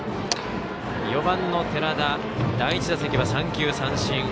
４番の寺田、第１打席は三球三振。